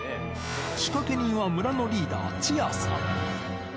仕掛け人は村のリーダー、チアさん。